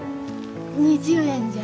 ２０円じゃ。